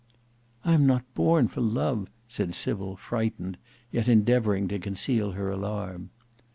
"I am not born for love," said Sybil, frightened, yet endeavouring to conceal her alarm.